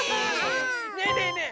ねえねえねえ